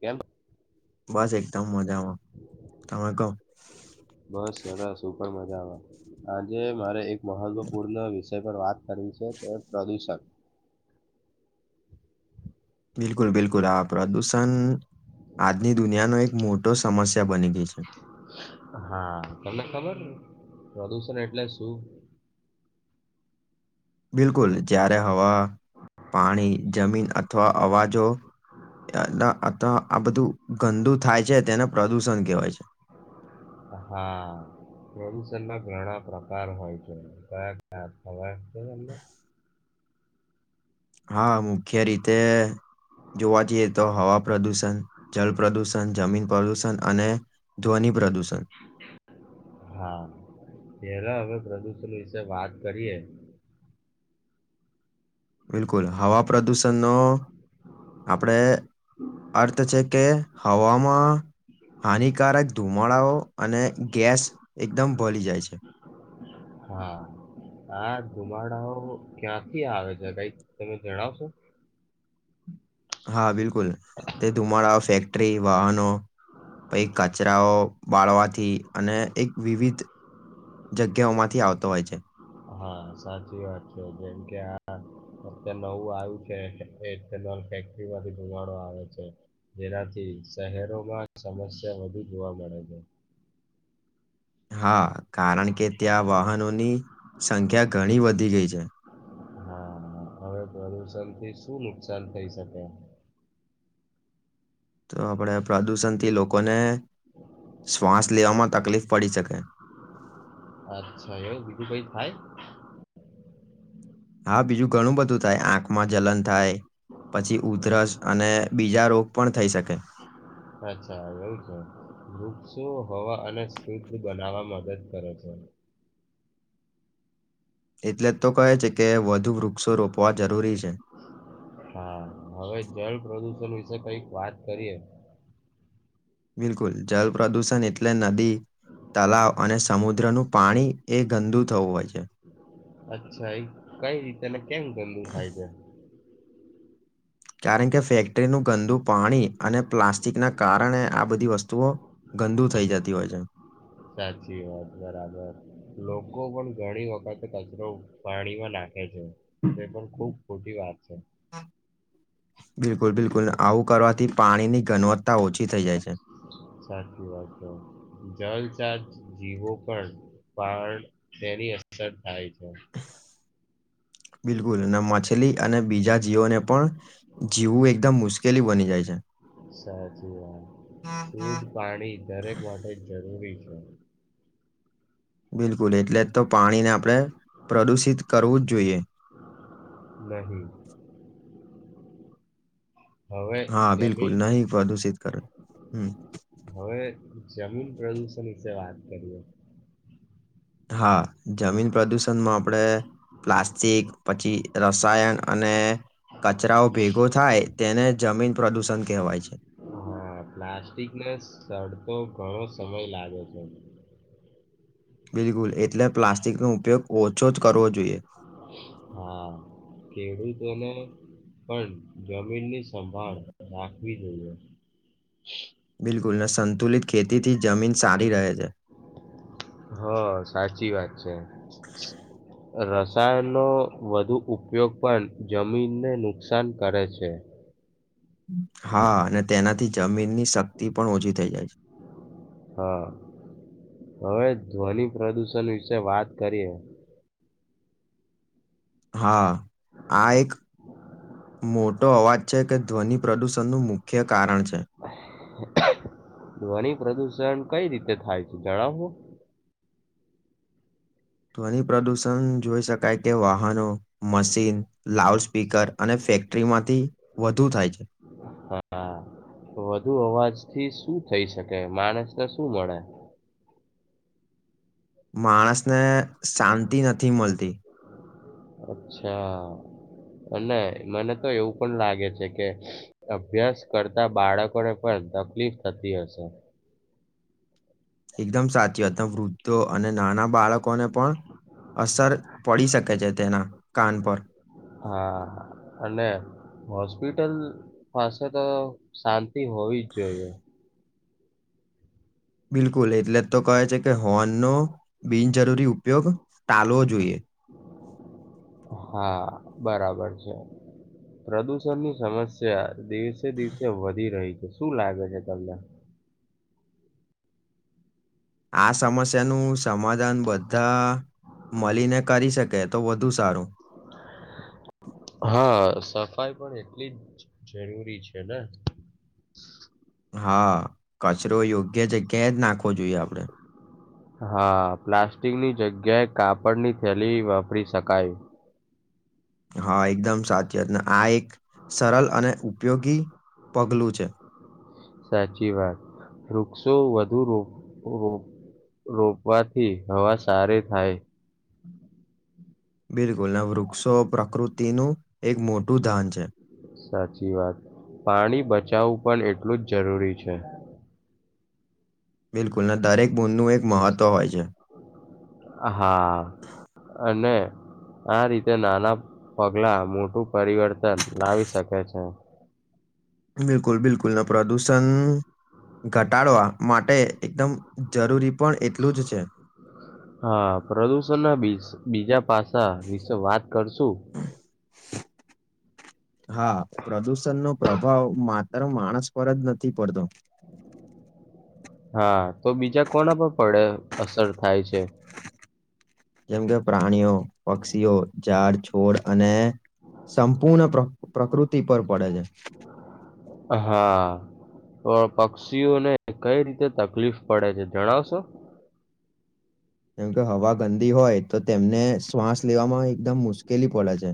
કેમ? બસ એકદમ મજામાં તમે કહો બસ સરાર સુપર મા જાવા આજે મારે એક મહત્વપૂર્ણ વિષય પર વાત કરવી છે તે પ્રદૂષણ [unintelligible] બિલકુલ બિલકુલ આ પ્રદૂષણ આજની દુનિયાનો એક મોટો સમસ્યા બની ગઈ છે. હા તમને ખબરને પ્રદુષણ એટલે શું? બિલકુલ જ્યારે હવા પાણી, જમીન અથવા અવાજો ત્યાના આતા આ બધું ગંદુ થાય છે. તેને પ્રદુષણ કહેવાય છે હા. પ્રદુષણનાં ઘણા પ્રકાર હોય છે કયા ખવા [inaudible] છે એમને હા મુખ્ય રીતે જોવા જઈએ તો, હવા પ્રદુષણ, જળ પ્રદુષણ, જમીન પ્રદુષણ, અને ધ્વનિ પ્રદૂષણ હા એરા પ્રદૂષણ વિશે વાત કરીએ બિલકુલ હવા પ્રદુષણનો આપણે અર્થ છે કે હવામાં હાનિકારક ધુમાડાઓ અને ગેસ એકદમ ભલી જાય છે. હા. હા, ધુમાડાઓ ક્યાંથી આવે છે, કઈ તમે જણાવશો? હા બિલકુલ! બુલ તે ધુમાડા, ફેક્ટરી, વાહનો પઇ કચરાઓ બાળવા થી અને એક વિવિધ જગ્યાઓ માંથી આવતો હોય છે. હા સાચી વાત છે, જેમકે આ વખતે નવું આવ્યું છે એક કેનલ ફેક્ટરી માંથી ધુમાડો આવે છે. જેનાથી શહેરોમાં સમસ્યા વધુ જોવા મળે છે. હા કારણ કે, ત્યાં વાહનોની સંખ્યા ઘણી વધી ગઈ છે. હા, હવે પ્રદુષણ થી શું નુકસાન થઈ શકે? તો આપણે પ્રદુષણથી લોકોને શ્વાસ લેવામાં તકલીફ પડી શકે. અચ્છા! એવુ બીજું કાંઈ થાય? હા, બીજું ઘણું બધું થાય, આંખમાં જલન થાય, પછી, ઉધરસ અને બીજા રોગ પણ થઈ શકે. અચ્છા, એવું છે વૃક્ષો હવા અને શુદ્ધ બનાવવા મદદ કરે છે. [inaudible] એટલે જ તો કહે છે કે, વધુ વૃક્ષો રોપવા જરૂરી છે. કંઈક વાત કરીએ? બિલકુલ, જલ પ્ર્રદૂષણ એટલે નદી તલાવ અને સમુદ્રનું પાણી એ ગંદુ થવું હોય છે. અચ્છા એ કઈ રીતેને કેમ ગંદુ થાય છે? કારણ કે ફેક્ટરીનું ગંદુ પાણી અને પ્લાસ્ટિકના કારણે આ બધી વસ્તુઓ ગંદુ થઈ જતી હોય છે [unintelligible] સાચી વાત બરાબર લોકો પણ ઘણી વખત આપ [inaudible] કચરો વાડીમા નાખે છે તે પણ ખુબ ખોટી વાત છે. બિલકુલ બિલકુલ આવું કરવાથી પાણીની ગણવત્તા ઓછી થઈ જાય છે. સાચી વાત છે. [unintelligible] [inaudible] જીવો પણ [inaudible] તેની અસર થાય છે બિલકુલ અને માછલી અને બીજા જીવોને પણ જીવવું એકદમ મુશ્કેલી બની જાય છે. સાચી વાત, શુદ્ધ પાણી દરેક માટે જરૂરી છે. બિલકુલ, એટલે જ તો પાણીને આપણે પ્રદુષિત કરવું જ જોઈએ. નહીં હવે હા બિલકુલ જમીન નહીં પ્રદુષિત કરે હમ [unintelligible] હવે જમીન પ્રદૂષણ વિષે વાત કરીએ. હા, જમીન પ્રદુષણમાં આપણેે પ્લાસ્ટિક પછી રસાયણ અને કચરાઓ ભેગો થાય તેને જમીન પ્રદૂષણ કહેવાય છે. હા પ્લાસ્ટિક ને સરતો ઘણો સમય લાગે છે. બિલકુલ એટલે પ્લાસ્ટિકનો ઉપયોગ ઓછો જ કરવો જોઈ હા કેડૂતોને પણ જમીન ની સંભાળ રાખવી જોઈએ. બિલકુલ ન સંતુલિત ખેતીથી જમીન સારી રહે છે. હા સાચી વાત છે. [unintelligible] રસાયણનો વધુ ઉપયોગ પણ જમીનને નુકસાન કરે છે. હા અને તેનાથી જમીનની શક્તિ પણ ઓછી થઈ જાય છે. હા હવે ધ્વનિ પ્રદુષણ વિશે વાત કરીએ. હા આ એક મોટો અવાજ છે કે ધ્વનિ પ્રદૂષણનું મુખ્ય કારણ છે. ધ્વનિ પ્રદુષણ કઈ રીતે થાય છે જણાવો? ધ્વનિ પ્ર્રદૂષણ જોઈ શકાય કે વાહનો મશીન લાઉડ સ્પીકર અને ફેક્ટરીમાંથી વધુ થાય છે. હા વધુ થી શું થઈ શકે માણસ ને શું મળે. માણસને શાંતિ નથી મળતી. અચ્છા. અને મને તો એવું પણ લાગે છે કે અભ્યાસ કરતા બાળકો ને પણ તકલીફ થતી હશે. એકદમ સાચી અમ વૃદ્ધો અને નાના બાળકોને પણ અસર પડી શકે છે તેના કાન પર હા અને હોસ્પિટલ પાસે તો શાંતિ હોવી જ જોઈએ. બિલકુલ એટલે તો કહે છે કે હોનનો બિનજરૂરી ઉપયોગ ટાલવો જોઈએ. હા બરાબર છે. પ્રદુષણ ની સમસ્યા દિવસે દિવસે વધી રહી છે શું લાગે છે તમને [inaudible] આ સમસ્યાનું સમાધાન બધા મળીને કરી શકે તો વધુ સારું. [inaudible] હા સફાઈ પણ એટલી જ જરૂરી છે ને હ હા આપો જોઈએ આપણે હા પ્લાસ્ટિકની જગ્યાએ કાપડની થેલી વાપરી શકાય. હા એકદમ સાચીત ને આ એક સરળ અને ઉપયોગી પગલું છે. સાચી વાત વૃક્ષો વધુ રો રો રોપવાથી હવા સારી થાય. બિલકુલ અને વૃક્ષો પ્રકૃતિનું એક મોટું ધાન છે. સાચી વાત પાણી બચાવું પણ એટલું જ જરૂરી છે. બિલકુલ ના દરેક બૂદનું એક મહત્ત્વ હોય છે. હા અને આ રીતે નાના પગલા મોટું પરિવર્તન લાવી શકે છે. બિલકુલ બિલકુલ અને પ્રદુષણ ઘટાડવા માટે એકદમ જરૂરી પણ એટલું જ છે હા પ્રદુષણ ના બી બીજા પાસા વિશે વાત કરશું હા પ્રદુષણનો પ્રભાવ માત્ર માણસ પર જ નથી પડતો હા તો બીજા કોના પર પડે અસર થાય છે જેમ કે પ્રાણીઓ પક્ષીઓ ઝાડ છોડ અને સંપૂર્ણ પ્રકૃતિ પર પડે છે હા તો પક્ષીઓને કઈ રીતે તકલીફ પડે છે જણાવશો કેમ કે હવા ગંદી હોય તો તેમને શ્વાસ લેવામાં એકદમ મુશ્કેલ કેલી પડે છે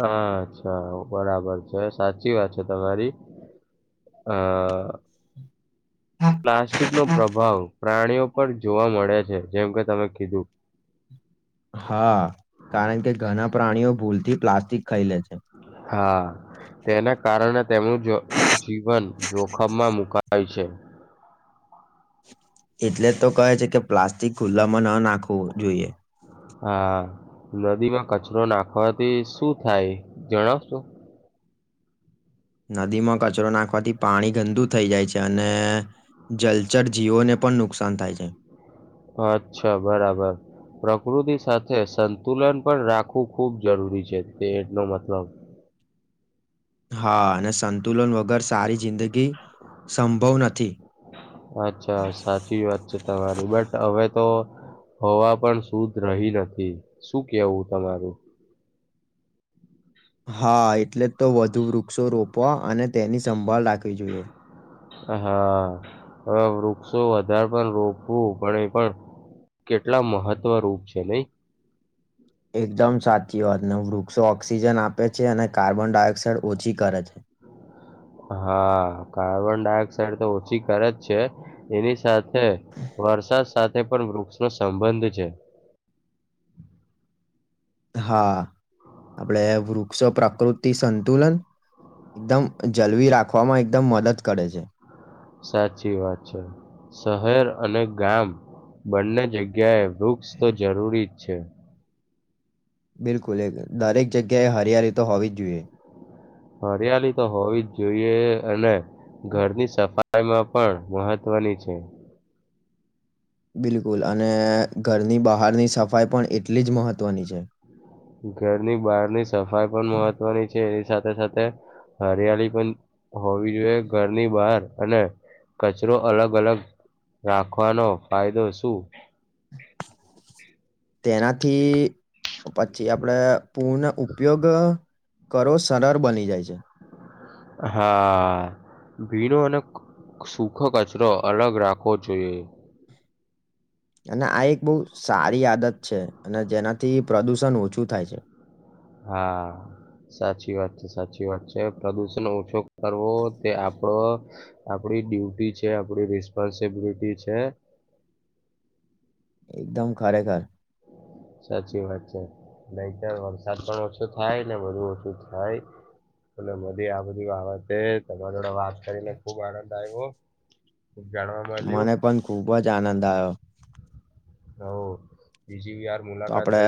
હ અચ્છા બરાબર છે સાચી વાત છે તમારી અ હા પ્લાસ્ટિક નો પ્રભાવ પ્રાણીઓ ઉપર જોવા મળે છે જેમ કે તમે કીધું હા કારણ કે ઘણા પ્રાણીઓ ભૂલથી પ્લાસ્ટિક ખાઈ લે છે હા, તેના કારણે તેમનું જીવન જોખમમાં મુકાય છે એટલે જ તો કહે છે કે પ્લાસ્ટિક ખુલ્લામાં ન નાખવું જોઈએ હા નદીમાં કચરો નાખવાથી શું થાય જણાવશો નદીમાં કચરો નાખવાથી પાણી ગંદુ થઈ જાય છે અને જલચર જીવોને પણ નુકસાન થાય છે અચ્છા બરાબર પ્રકૃતિ સાથે સંતુલન પણ રાખવું ખૂબ જરૂરી છે તેનો મતલબ [inaudible] હા અને સંતુલન વગર સારી જિંદગી સંભવ નથી અચ્છા સાચી વાત છે તમારી બટ હવે તો હવા પણ શુદ્ધ રહી નથી શું કેવું તમારું હા એટલે તો વધુ વૃક્ષો રોપવા અને તેની સંભાળ રાખવી જોઈએ હા હવે વૃક્ષો વધારે પણ રોકવું પડે પણ કેટલા મહત્વરૂૂપ છે નહીં એકદમ સાચી વાતને વૃક્ષો ઓક્સિજન આપે છે અને કાર્બન ડાયોક્સાઇડ ઓછી કરે છે હા કાર્બન ડાયોક્સાાઈડ તો ઓછી કરે જ છે એની સાથે વરસાદ સાથે પણ વૃક્ષનો સંબંધ છે હા આપડે વૃક્ષો પ્રકૃતિ સંતુલન એકદમ જલવી રાખવામાં એકદમ મદદ કરે છે સાચી વાત છે શહેર અને ગામ બંને જગ્યાએ વૃક્ષ તો જરૂરી જ છે બિલકુલ એક દરેક જગ્યાએ હરિયાળી તો હોવી જ જોઈએ હરિયાળી તો હોવી જ જોઈએ અને ઘરની સફાઈ લાયમાં પણ મહત્વની છે બિલકુલ અને ઘરની બહારની સફાઈ પણ એટલી જ મહત્વની છે ઘરની બહારની સફાઈ પણ મહત્વની છે એની સાથે સાથે સાથે હરિયાળી પણ હોવી જોઈએ ઘરની બહાર અને કચરો અલગ અલગ રાખવાનો ફાયદો શું તેનાથી પછી આપણે પૂર્ણ ઉપયોગ કરો સરળ બની જાય છે હા ભીનો અને સુખ કચરો અલગ રાખવો જોઈએ અને આ એક બહુ સારી આદત છે અને જેનાથી પ્રદુષણ ઓછું થાય છે હા સાચી વાત છે સાચી વાત છે પ્રદુષણ ઓછો કરવો તે આપડો આપડી ડ્યુટી છે આપડી રિસ્પોન્સબિલિટી છે. એકદમ ખરેખર. સાચી વાત છે નહીતર વરસાદ પણ ઓછો થાય ને બધું ઓછું થાય અને મધી આ બધી વાબતે તમારી જોડે વાત કરીને ખુબ આનંદ આવ્યો. ખુબ જાણવા મળ્યું મને પણ ખૂબ જ આનંદ આવ્યો. હ [unintelligible] તો આપડે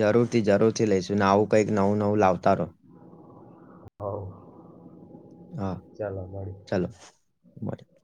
જરૂરથી જરૂર થી લઈશ. ના આવું કંઈક નવું નવું લાવતા રહો. ચાલ મઙીએ તમારે [unintelligible]